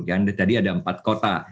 ganda tadi ada empat kota